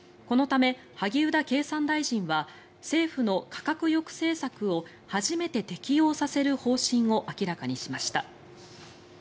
このため萩生田経産大臣は政府の価格抑制策を初めて適用させる方針を明らかにしました。